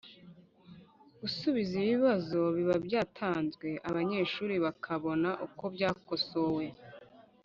gusubiza ibibazo biba byatanzwe, abanyeshuri bakabona uko byakosowe